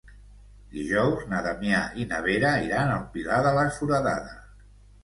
Dijous na Damià i na Vera iran al Pilar de la Foradada.